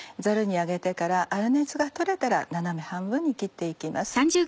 ザルにあげてから粗熱が取れたら斜め半分に切って行きます。